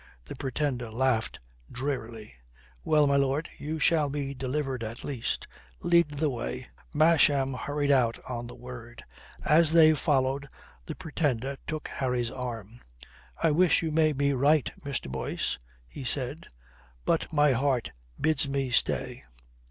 The Pretender laughed drearily. "Well, my lord, you shall be delivered at least. Lead the way." Masham hurried out on the word. As they followed the Pretender took Harry's arm. "I wish you may be right, Mr. Boyce," he said. "But my heart bids me stay."